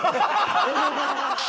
ハハハハ！